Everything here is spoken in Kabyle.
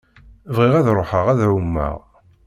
Bɣiɣ ad ṛuḥeɣ ad ɛummeɣ.